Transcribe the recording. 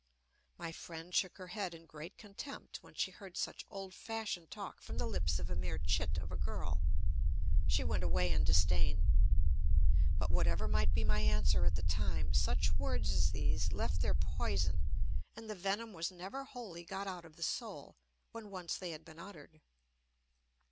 My friend shook her head in great contempt, when she heard such old fashioned talk from the lips of a mere chit of a girl. She went away in disdain. But whatever might be my answer at the time, such words as these left their poison; and the venom was never wholly got out of the soul, when once they had been uttered.